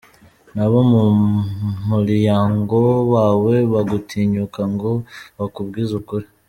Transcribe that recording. Ntabo mu mulyango wawe bagutinyuka ngo bakubwize ukuri.